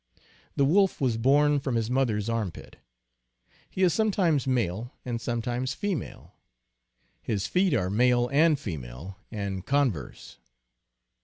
The Wolf was born from his mother s armpit. He is sometimes male and some times female. His feet are male and female, and con verse.